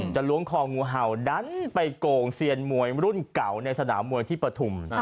ล้วงคองูเห่าดันไปโกงเซียนมวยรุ่นเก่าในสนามมวยที่ปฐุม